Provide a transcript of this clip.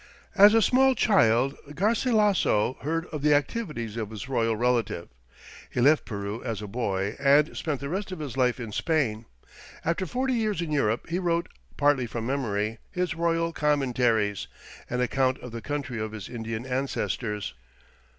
As a small child Garcilasso heard of the activities of his royal relative. He left Peru as a boy and spent the rest of his life in Spain. After forty years in Europe he wrote, partly from memory, his "Royal Commentaries," an account of the country of his Indian ancestors.